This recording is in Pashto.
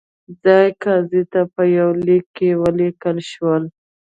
ځايي قاضي ته په یوه لیک کې ولیکل شول.